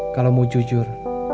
kalau mu jujur